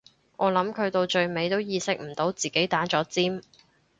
我諗佢到最尾都意識唔到自己打咗尖